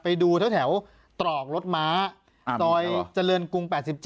ไปดูทางแถวตรองถสงส์รถม้าตอยเจริญกรุง๘๗